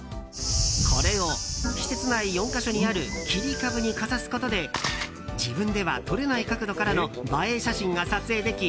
これを、施設内４か所にある切り株にかざすことで自分では撮れない角度からの映え写真が撮影でき